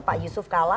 pak yusuf kala